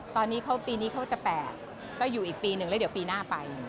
ตอนนี้เขาปีนี้เขาจะ๘ก็อยู่อีกปีหนึ่งแล้วเดี๋ยวปีหน้าไป